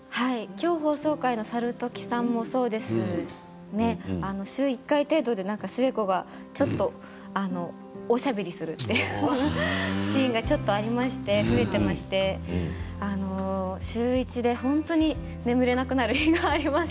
今日放送回の猿時さんもそうですけれども週１回ぐらい寿恵子はおしゃべりするというシーンがありまして増えていまして週１で本当に眠れなくなる日がありました。